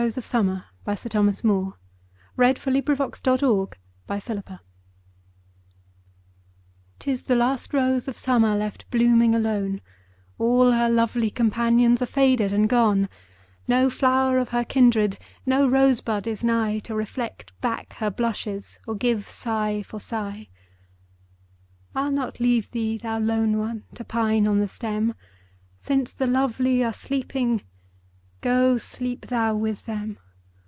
...other Poetry Sites Thomas Moore (1779 1852) 'TIS THE LAST ROSE OF SUMMER 'TIS the last rose of summer, Left blooming alone ; All her lovely companions Are faded and gone ; No flower of her kindred, No rose bud is nigh, To reflect back her blushes, Or give sigh for sigh. I'll not leave thee, thou lone one ! To pine on the stem ; Since the lovely are sleeping, Go sleep thou with them.